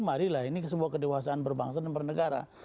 marilah ini sebuah kedewasaan berbangsa dan bernegara